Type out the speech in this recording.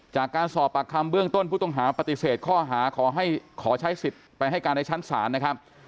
จากการสอบปากคำเบื้องต้นผู้ต้องหาปฏิเสธข้อหาขอใช้สิทธิ์ไปให้การในชั้นศาลนะครับ